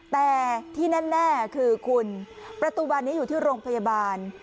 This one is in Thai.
แต่ที่แน่คือคุณประตูบานนี้อยู่ที่โรงพยาบาล